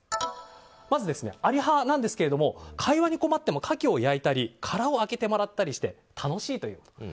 まず、あり派なんですが会話に困ってもかきを焼いたり殻を開けてもらったりして楽しいという。